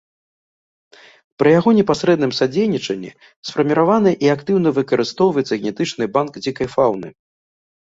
Пры яго непасрэдным садзейнічанні сфарміраваны і актыўна выкарыстоўваецца генетычны банк дзікай фаўны.